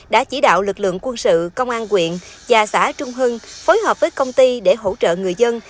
đã chỉ đạo lực lượng quân sự công an quyện và xã trung hưng phối hợp với công ty để hỗ trợ người dân